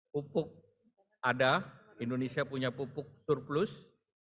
pupuk ada indonesia punya pupuk surplus